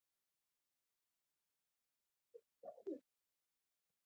خو مشکل دلته جوړ سو چې کله به یې زما څخه پوښتنه وکړل.